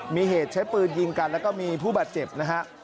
มีเหตุใช้ปืนยิงกันแล้วก็มีผู้บาดเจ็บนะฮะ